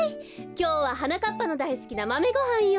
きょうははなかっぱのだいすきなマメごはんよ。